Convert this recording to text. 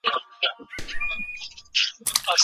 د علمي تحقیق پایلي باید د خلګو توجه ترلاسه کړي.